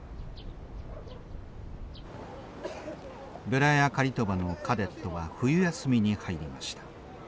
ベラヤカリトバのカデットは冬休みに入りました。